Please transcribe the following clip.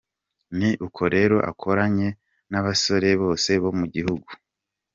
Ni uko rero akoranya abasore bose bo mu gihugu,.